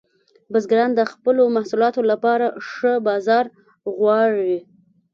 بزګران د خپلو محصولاتو لپاره ښه بازار غواړي.